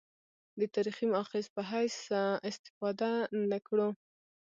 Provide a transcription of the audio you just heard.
د تاریخي مأخذ په حیث استفاده نه کړو.